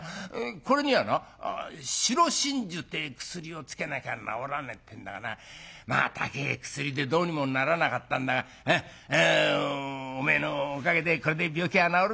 これにはな白真珠てえ薬をつけなきゃ治らねえってんだがなまあ高え薬でどうにもならなかったんだがおめえのおかげでこれで病気は治るんだ。